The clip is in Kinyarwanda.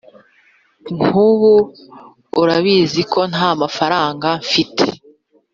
nk’ubu urabizi ko nta mafaranga mfite